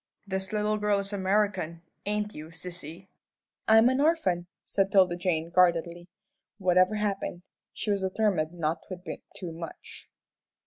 "This little girl is American, ain't you, sissy?" "I'm an orphan," said 'Tilda Jane, guardedly. Whatever happened, she was determined not to admit too much.